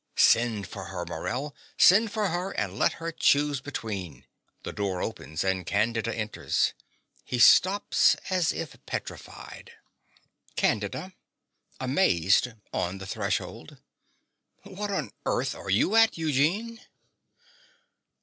Send for her, Morell: send for her and let her choose between (The door opens and Candida enters. He stops as if petrified.) CANDIDA (amazed, on the threshold). What on earth are you at, Eugene?